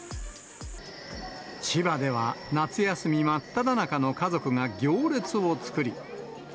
千葉では夏休み真っただ中の家族が行列を作り。